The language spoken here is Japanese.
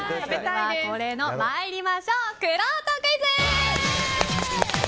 参りましょう、くろうとクイズ！